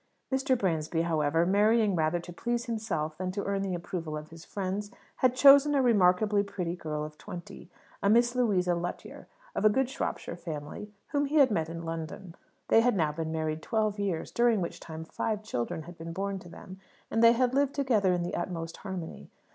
Martin Bransby, however, marrying rather to please himself than to earn the approval of his friends, had chosen a remarkably pretty girl of twenty, a Miss Louisa Lutyer, of a good Shropshire family, whom he had met in London. They had now been married twelve years, during which time five children had been born to them, and they had lived together in the utmost harmony.